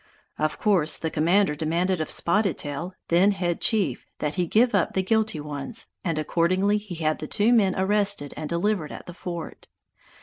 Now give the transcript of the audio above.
Of course, the commander demanded of Spotted Tail, then head chief, that he give up the guilty ones, and accordingly he had the two men arrested and delivered at the fort.